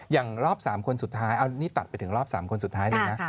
อย่างรอบ๓คนสุดท้ายเอานี่ตัดไปถึงรอบ๓คนสุดท้ายเลยนะ